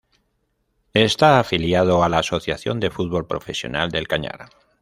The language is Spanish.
Está afiliado a la Asociación de Fútbol Profesional del Cañar.